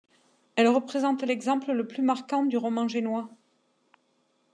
Elle représente l'exemple le plus marquant du roman génois.